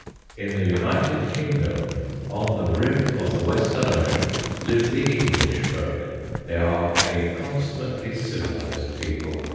In the United Kingdom, on the rim of the Western Ocean, live the English folk. They are a consummately civilised people.